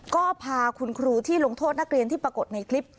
ก็พาคุณครูที่ลงโทษนักเรียนที่ปรากฏในคลิป